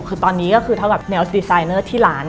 คือตอนนี้ก็คือถ้าแบบแนวสดีไซนเนอร์ที่ร้าน